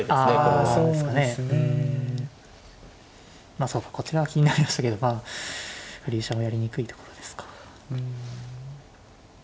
まあそうかこちらは気になりましたけど振り飛車もやりにくいところですか。